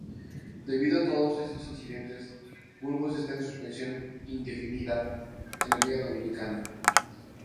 Debido a todos estos incidentes, Burgos está en suspensión indefinida en la Liga Dominicana.